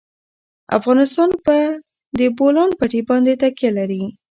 افغانستان په د بولان پټي باندې تکیه لري.